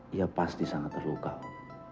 dia pasti sangat terluka om